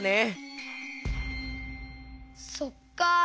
そっか。